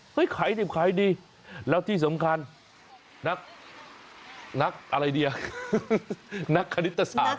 ขายดิบขายดีแล้วที่สำคัญนักอะไรดีอ่ะนักคณิตศาสตร์